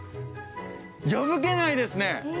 破けないですね